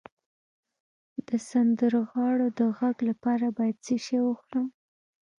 د سندرغاړو د غږ لپاره باید څه شی وخورم؟